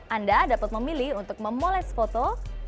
anda dapat memilih untuk memoles foto